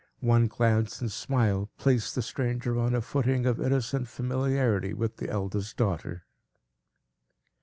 One glance and smile placed the stranger on a footing of innocent familiarity with the eldest daughter.